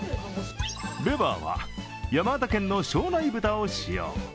レバーは山形県の庄内豚を使用。